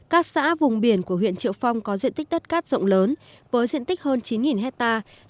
các xã vùng biển của huyện triệu phong có diện tích đất cát rộng lớn với diện tích hơn chín hectare